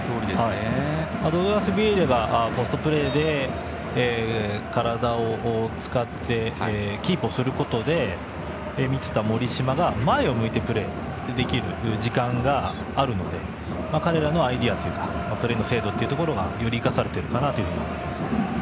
ドウグラス・ヴィエイラがポストプレーで体を使ってキープすることで満田、森島が前を向いてプレーできる時間があるので彼らのアイデアというかプレーの精度がより生かされているかなと思います。